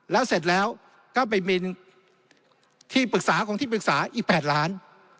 แล้วเสร็จแล้วก็ไปมีที่ปรึกษาของที่ปรึกษาอีก๘ล้าน